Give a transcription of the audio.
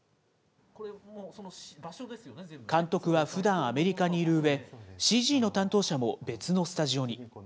監督はふだんアメリカにいるうえ、ＣＧの担当者も別のスタジオに。